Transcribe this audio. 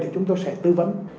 thì chúng tôi sẽ tư vấn